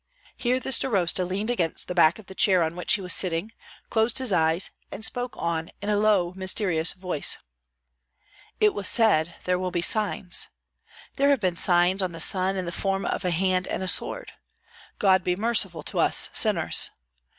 Here the starosta leaned against the back of the chair on which he was sitting, closed his eyes, and spoke on in a low, mysterious voice, "It was said, 'There will be signs.' There have been signs on the sun in the form of a hand and a sword. God be merciful to us, sinners!